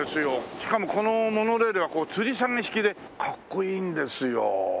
しかもこのモノレールはつり下げ式でかっこいいんですよ。